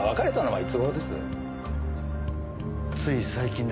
はい。